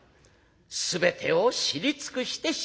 「全てを知り尽くしてしまった。